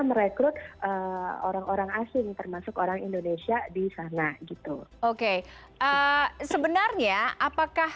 merekrut orang orang asing termasuk orang indonesia di sana gitu oke sebenarnya apakah